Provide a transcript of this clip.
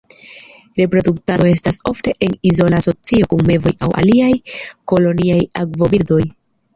Reproduktado estas ofte en izola asocio kun mevoj aŭ aliaj koloniaj akvo birdoj.